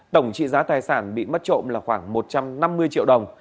tổng trị giá tài sản bị mất trộm là khoảng một trăm năm mươi triệu đồng